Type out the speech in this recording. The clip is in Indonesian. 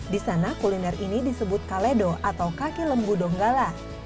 di sana kuliner ini disebut kaledo atau kaki lembu donggala